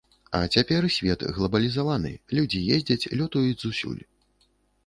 А цяпер свет глабалізаваны, людзі ездзяць, лётаюць зусюль.